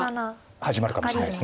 始まるかもしれません。